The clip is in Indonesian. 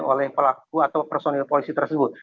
oleh pelaku atau personil polisi tersebut